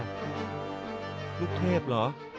ลูกเทพเหรอ